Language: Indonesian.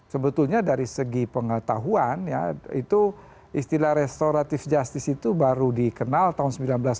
sebetulnya dari segi pengetahuan istilah restoratif justice itu baru dikenal tahun seribu sembilan ratus tujuh puluh delapan